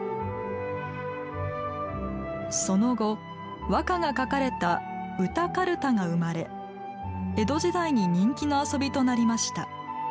その後、和歌が書かれた「歌かるた」が生まれ江戸時代に人気の遊びとなりました。